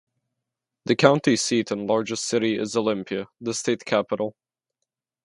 The county seat and largest city is Olympia, the state capital.